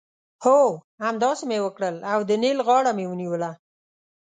هو! همداسې مې وکړل او د نېل غاړه مې ونیوله.